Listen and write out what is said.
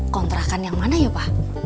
kontrakan yang mana ya pak